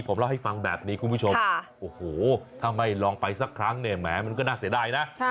ผมเล่าให้ฟังแบบนี้คุณผู้ชมโอ้โหถ้าไม่ลองไปสักครั้งเนี่ยแหมมันก็น่าเสียดายนะ